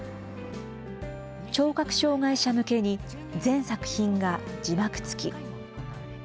聴覚障害者向けに、全作品が字幕付き。